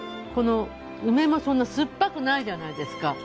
この梅もそんな酸っぱくないじゃないですか。